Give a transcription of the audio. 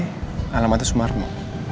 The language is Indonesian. di ktp alamatnya sumarno